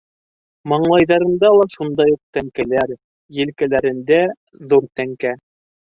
Маңлайҙарында ла шундай уҡ тәңкәләр, елкәләрендә - ҙур тәңкә.